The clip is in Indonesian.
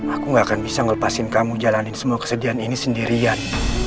aku gak akan bisa melepaskan kamu jalanin semua kesedihan ini sendirian